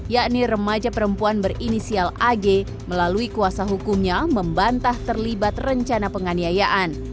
yakni remaja perempuan berinisial ag melalui kuasa hukumnya membantah terlibat rencana penganiayaan